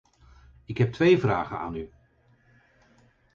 Ik heb twee vragen aan u.